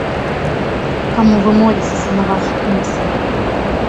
Каму вы моліцеся на вашых месах?